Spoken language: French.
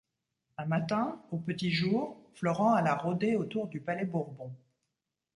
Un matin, au petit jour, Florent alla rôder autour du Palais-Bourbon.